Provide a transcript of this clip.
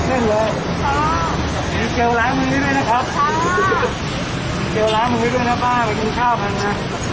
เกลียวล้ายมือด้วยนะครับเกลียวล้ายมือด้วยนะป้าไปกินข้าวกันนะ